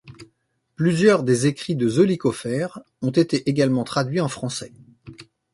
Plusieurs des écrits de Zollikofer ont été également traduits en français.